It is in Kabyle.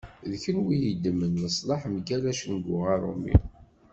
D kunwi i yeddmen leslaḥ mgal acengu arumi.